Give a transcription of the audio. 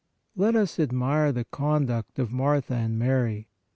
Let us admire the conduct of Martha and Mary.